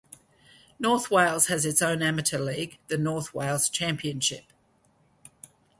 North Wales has its own amateur league, the North Wales Championship.